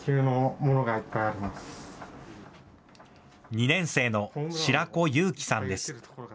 ２年生の白子悠樹さんです。